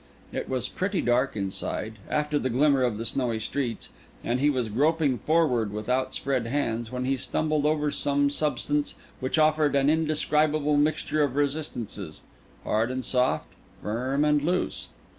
It was pretty dark inside, after the glimmer of the snowy streets, and he was groping forward with outspread hands, when he stumbled over some substance which offered an indescribable mixture of resistances, hard and soft, firm and loose.